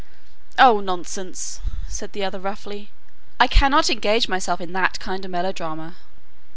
"Oh, nonsense," said the other, roughly, "I cannot engage myself in that kind of melodrama."